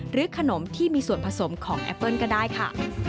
ขนมที่มีส่วนผสมของแอปเปิ้ลก็ได้ค่ะ